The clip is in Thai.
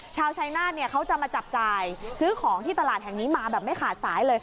ชาวชายนาฏเนี่ยเขาจะมาจับจ่ายซื้อของที่ตลาดแห่งนี้มาแบบไม่ขาดสายเลย